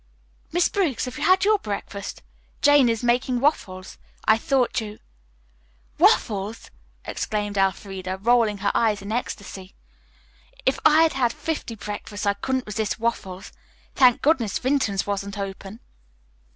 "Miss Briggs, have you had your breakfast? Jane is making waffles. I thought you " "Waffles!" exclaimed Elfreda, rolling her eyes in ecstacy. "If I'd had fifty breakfasts I couldn't resist waffles. Thank goodness Vinton's wasn't open."